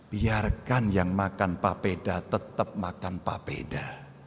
biarkan yang makan papeda tetap makan papeda